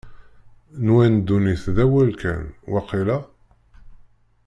Nwan ddunit d awal kan, waqila?